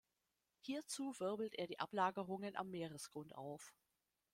Hierzu wirbelt er die Ablagerungen am Meeresgrund auf.